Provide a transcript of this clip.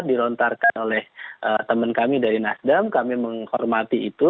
dirontarkan oleh teman kami dari nasdam kami menghormati itu